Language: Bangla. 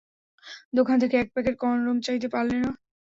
দোকান থেকে এক প্যাকেট কনডম চাইতে পারলে না।